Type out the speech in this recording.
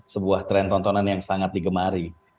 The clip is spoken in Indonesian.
sebuah tren tontonan yang sangat digemari